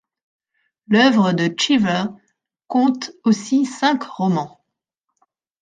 L'œuvre de Cheever compte aussi cinq romans.